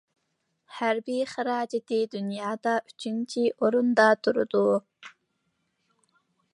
ھەربىي خىراجىتى دۇنيادا ئۈچىنچى ئورۇندا تۇرىدۇ.